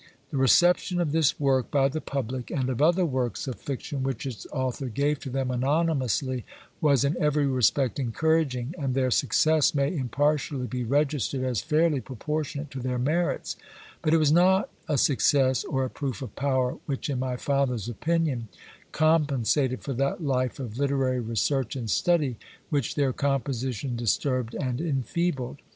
The reception of this work by the public, and of other works of fiction which its author gave to them anonymously, was in every respect encouraging, and their success may impartially be registered as fairly proportionate to their merits; but it was not a success, or a proof of power, which, in my father's opinion, compensated for that life of literary research and study which their composition disturbed and enfeebled.